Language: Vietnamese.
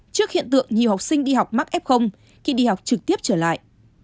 trước hiện tượng nhiều học sinh đi học mắc f khi đi học trực tiếp trở lại